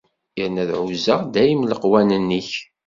Yerna ad ɛuzzeɣ dayem leqwanen-ik.